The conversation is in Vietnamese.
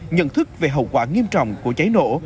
nhận thức về hậu quả nghiêm trọng của cháy nổ